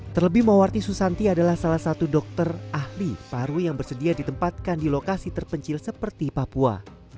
terlebih mawarti susanti adalah salah satu dokter ahli paru yang bersedia ditempatkan di lokasi terpencil seperti papua